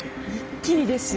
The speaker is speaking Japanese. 一気にですよ。